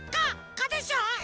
「カ」でしょ？